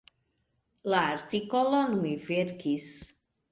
La artikolon mi verkis.